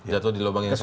jatuh di lubang yang sama